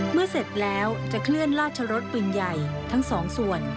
เสร็จแล้วจะเคลื่อนราชรสปืนใหญ่ทั้งสองส่วน